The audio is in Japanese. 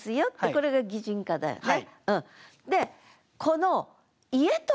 これが擬人化だよね。